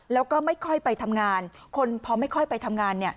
แล้วก็ไม่ค่อยไปทำงานคนพอไม่ค่อยไปทำงาน